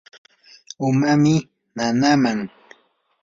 umami nanaaman.